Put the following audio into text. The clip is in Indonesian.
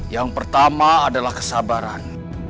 yang pertama adalah kesabaran